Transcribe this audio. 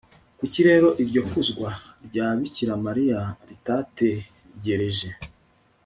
kuki rero iryo kuzwa rya bikira mariya ritategereje